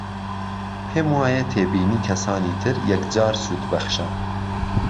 پێم وایە تێبینی کەسانی تر یەکجار سوودبەخشە